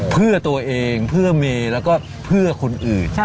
เพื่อตัวเองเพื่อเมย์แล้วก็เพื่อคนอื่น